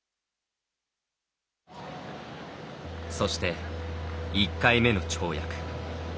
そして１回目の跳躍。